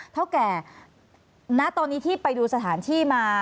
เท่าแก่ณตอนนี้ที่ไปดูสถานที่มา